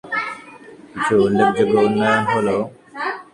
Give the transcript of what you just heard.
কিছু উল্লেখযোগ্য উন্নয়ন হল-